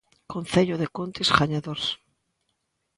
Concello de Cuntis Gañador.